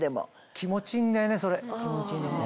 気持ちいいんだよねそれ。